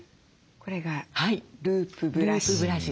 これがループブラシ。